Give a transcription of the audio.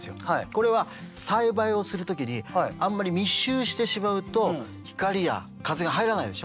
これは栽培をする時にあんまり密集してしまうと光や風が入らないでしょう？